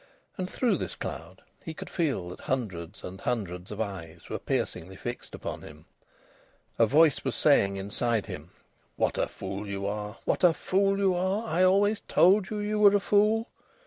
And through this cloud he could feel that hundreds and hundreds of eyes were piercingly fixed upon him. A voice was saying inside him "What a fool you are! What a fool you are! I always told you you were a fool!"